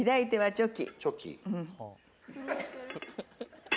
チョキ。